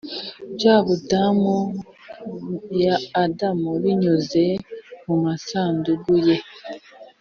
bya budamu ya adamu binyuze mumasanduku ye,